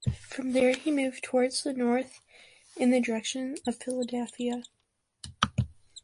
From there, he moved towards the north in the direction of Philadelphia.